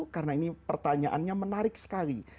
karena ini pertanyaannya menarik sekali